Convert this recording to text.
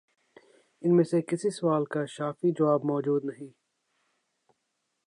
ان میں سے کسی سوال کا شافی جواب مو جود نہیں ہے۔